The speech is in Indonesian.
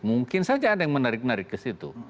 mungkin saja ada yang menarik narik ke situ